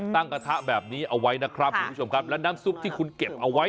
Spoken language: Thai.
ตั้งกระทะแบบนี้เอาไว้นะครับและน้ำซุปที่คุณเก็บเอาไว้